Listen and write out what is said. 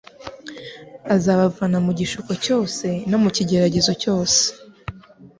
Azabavana mu gishuko cyose no mu kigeragezo cyose